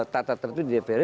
tata tertib di dprd